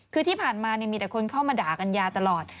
คือที่ผ่านมามีแต่คนเข้ามาด่ากัญญาตลอด